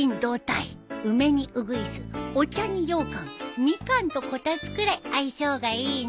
梅にウグイスお茶にようかんミカンとこたつくらい相性がいいんだ。